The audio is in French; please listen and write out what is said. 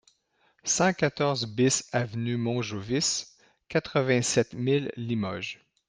cent quatorze BIS avenue Montjovis, quatre-vingt-sept mille Limoges